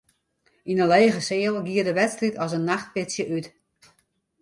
Yn de lege seal gie de wedstriid as in nachtpitsje út.